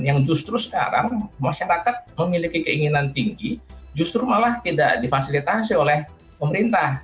yang justru sekarang masyarakat memiliki keinginan tinggi justru malah tidak difasilitasi oleh pemerintah